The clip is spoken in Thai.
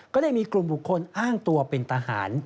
ได้มีกลุ่มบุคคลอ้างตัวเป็นทหาร